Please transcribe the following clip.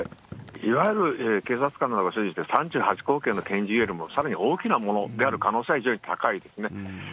いわゆる警察官などの所持している３８口径の拳銃などよりもさらに大きなものである可能性は非常に高いですね。